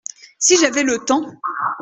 Si j’avais le temps.